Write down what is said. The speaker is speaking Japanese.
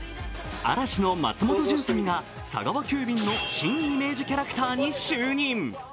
嵐の松本潤さんが佐川急便の新イメージキャラクターに就任。